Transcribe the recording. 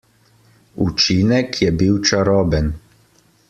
Učinek je bil čaroben.